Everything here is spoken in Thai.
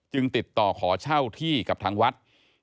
ติดต่อขอเช่าที่กับทางวัด